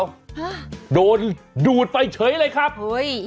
ฮะโดนดูดไปเฉยเลยครับเฮ้ย